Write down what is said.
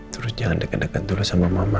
terus jangan deket deket dulu sama mama